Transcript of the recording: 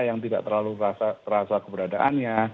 yang tidak terlalu terasa keberadaannya